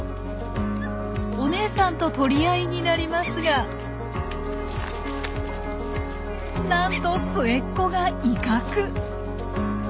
お姉さんと取り合いになりますがなんと末っ子が威嚇！